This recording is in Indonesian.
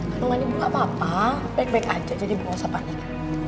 kandungan ini bukan apa apa baik baik aja jadi bukannya panik